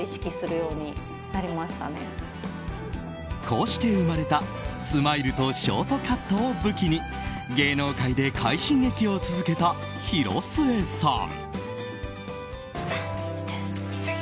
こうして生まれたスマイルとショートカットを武器に芸能界で快進撃を続けた広末さん。